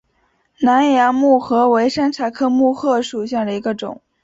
南洋木荷为山茶科木荷属下的一个种。